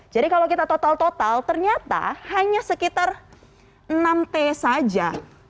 jadi kalau kita total total ternyata hanya sekitar enam t saja